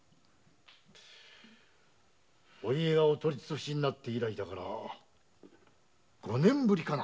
お家がお取り潰しになって以来だから五年ぶりかな？